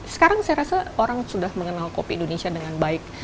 sekarang saya rasa orang sudah mengenal kopi indonesia dengan baik